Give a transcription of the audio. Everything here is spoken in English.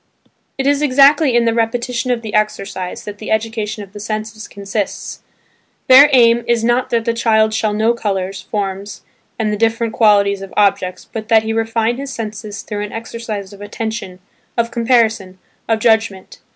It is exactly in the repetition of the exercise that the education of the senses consists; their aim is not that the child shall know colours, forms and the different qualities of objects, but that he refine his senses through an exercise of attention, of comparison, of judgment.